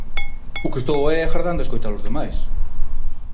O que estou é agardando a escoitar os demais.